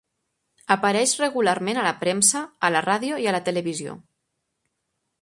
Apareix regularment a la premsa, a la ràdio i a la televisió.